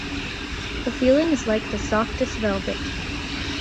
The feeling is like the softest velvet.